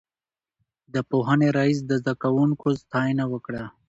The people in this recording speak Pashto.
د پوهنې رئيس د زده کوونکو ستاينه وکړه.